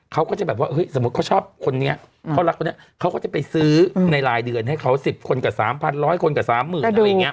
เขาก็จะแบบว่าเฮ้ยสมมุติเขาชอบคนนี้เขารักคนนี้เขาก็จะไปซื้อในรายเดือนให้เขา๑๐คนกับ๓๐๐คนกับสามหมื่นอะไรอย่างนี้